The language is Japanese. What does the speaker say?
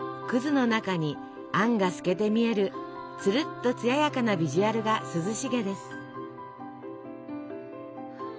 の中にあんが透けて見えるつるっとつややかなビジュアルが涼しげです。